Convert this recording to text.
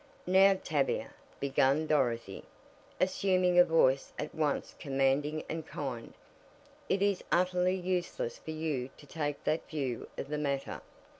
"Now, Tavia," began Dorothy, assuming a voice at once commanding and kind, "it is utterly useless for you to take that view of the matter.